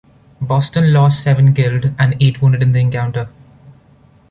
"Boston" lost seven killed and eight wounded in the encounter.